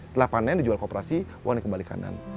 setelah panen dijual kooperasi wangnya kembali ke kanan